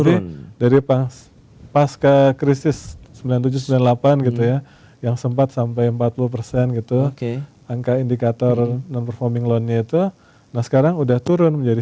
dari pasca krisis sembilan puluh tujuh sembilan puluh delapan gitu ya yang sempat sampai empat puluh persen gitu angka indikator non performing loan nya itu nah sekarang udah turun menjadi